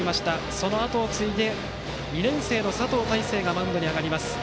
そのあとを継いで２年生の佐藤大清がマウンドに上がります。